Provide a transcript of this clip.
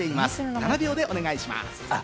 ７秒でお願いします。